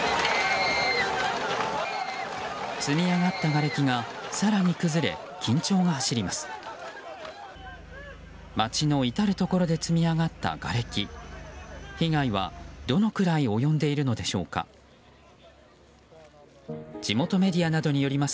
積み上がったがれきが更に崩れ緊張が走ります。